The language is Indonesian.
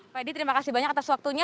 pak edi terima kasih banyak atas waktunya